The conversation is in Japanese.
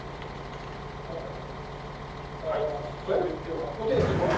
えっ見ていいんですか？